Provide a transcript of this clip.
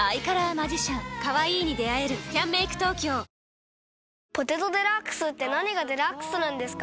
このあと「ポテトデラックス」って何がデラックスなんですか？